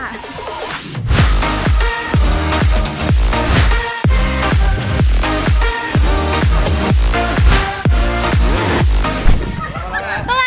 ถึงข้อมูล